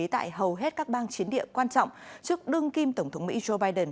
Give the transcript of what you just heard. tại hầu hết các bang chiến địa quan trọng trước đương kim tổng thống mỹ joe biden